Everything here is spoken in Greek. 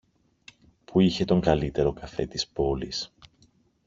που είχε τον καλύτερο καφέ της πόλης